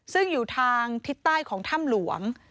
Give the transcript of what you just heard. ซึ่งอยู่ทางทิศใต้ของถ้ำหลวง